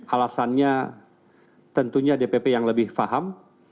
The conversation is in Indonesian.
alasannya tentunya dpp yang lebih paham